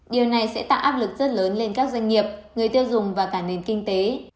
điều này sẽ tạo áp lực rất lớn lên các doanh nghiệp người tiêu dùng và cả nền kinh tế